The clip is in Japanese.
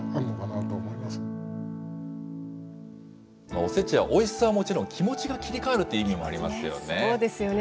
おせちはおいしさはもちろん、気持ちが切り替わるという意味もありますよね。